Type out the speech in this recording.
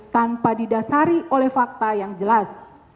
tanpa didasari oleh fakta yang jelas